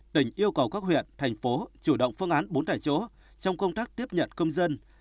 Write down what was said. tỉnh yêu cầu các huyện thành phố chủ động phương án bốn tại chỗ trong công tác tiếp nhận công dân